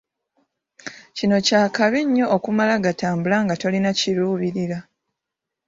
Kino kya kabi nnyo okumala gatambula nga tolina kiruubirirwa.